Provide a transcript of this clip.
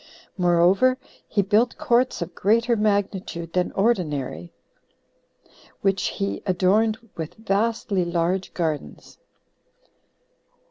Moreover, he built courts of greater magnitude than ordinary, which he adorned with vastly large gardens.